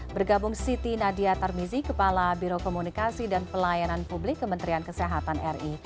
bergabung siti nadia tarmizi kepala biro komunikasi dan pelayanan publik kementerian kesehatan ri